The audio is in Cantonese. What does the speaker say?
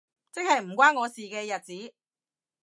即係唔關我事嘅日子